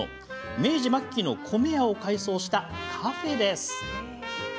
明治末期の米屋を改装したカフェです。